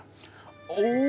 お！